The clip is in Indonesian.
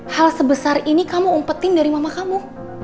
hal sebesar ini kamu umpetin dari mama kamu